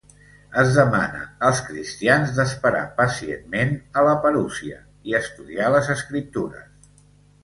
Es demana als cristians d'esperar pacientment a la parusia, i estudiar les Escriptures.